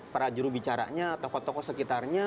para jurubicaranya tokoh tokoh sekitarnya